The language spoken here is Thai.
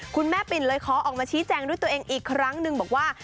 ขอออกมาชี้แจงด้วยตัวเองอีกครั้งนึงบอกว่า